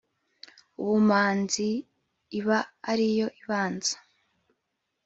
« ubumanzi » iba ari yo ibanza